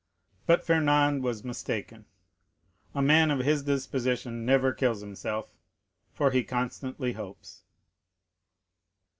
But Fernand was mistaken; a man of his disposition never kills himself, for he constantly hopes.